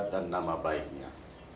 dan nama baiknya